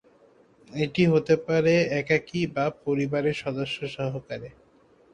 এটি হতে পারে একাকী বা পরিবারের সদস্য সহকারে।